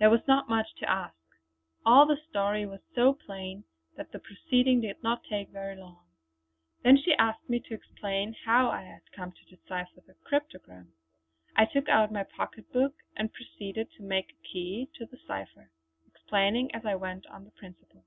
There was not much to ask; all the story was so plain that the proceeding did not take very long. Then she asked me to explain how I had come to decipher the cryptogram. I took out my pocket book and proceeded to make a key to the cipher, explaining as I went on the principle.